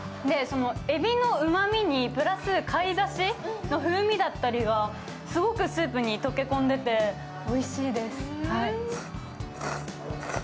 えびのうまみにプラス貝だしの風味だったりがすごくスープに溶け込んでておいしいです。